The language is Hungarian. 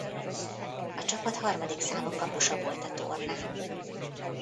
A csapat harmadik számú kapusa volt a tornán.